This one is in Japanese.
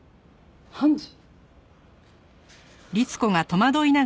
判事？